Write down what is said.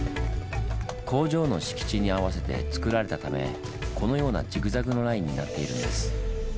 工場の敷地に合わせてつくられたためこのようなジグザグのラインになっているんです。